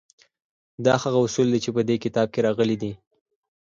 دا هغه اصول دي چې په دې کتاب کې راغلي دي